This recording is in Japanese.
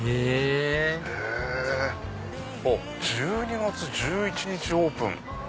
へぇ１２月１１日オープン。